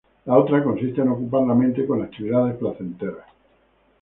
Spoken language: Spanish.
La otra consiste en ocupar la mente con actividades placenteras".